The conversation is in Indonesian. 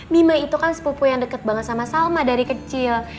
mima itu kan sepupu yang deket banget sama salma dari kecil